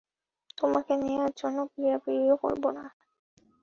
তোমাকে নেয়ার জন্য পীড়াপীড়িও করবো না।